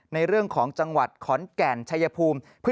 ในเรื่องของจังหวัดขอนแก่นชัยภูมิ